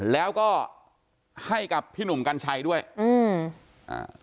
แล้วก็ให้กับพี่หนุ่มกัญชัยด้วยอืมอ่า